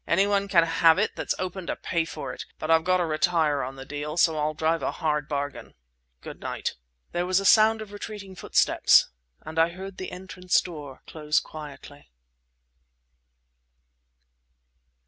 Any one can have it that's open to pay for it—but I've got to retire on the deal, so I'll drive a hard bargain! Good night!" There was a sound of retreating footsteps, and I heard the entrance door close quietly.